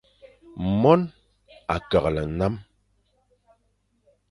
Mone a keghle nnam.